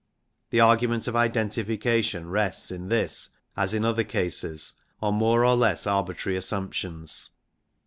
The argument of identi fication rests in this, as in other cases, on more or less arbitrary assumptions.